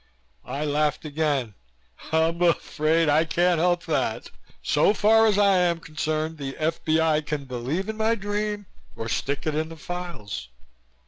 I laughed again. "I'm afraid I can't help that. So far as I am concerned, the F.B.I. can believe in my dream or stick it in the files."